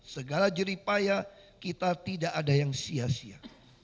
segala jeripaya kita tidak ada yang sia sia